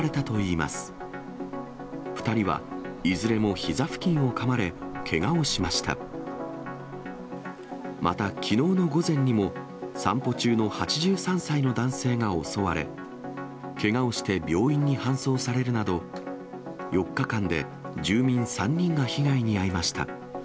また、きのうの午前にも、散歩中の８３歳の男性が襲われ、けがをして病院に搬送されるなど、４日間で住民３人が被害に遭いました。